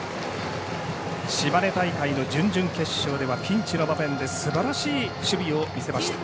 島根大会の準々決勝ではピンチの場面ですばらしい守備を見せました。